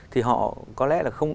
thì họ có lẽ là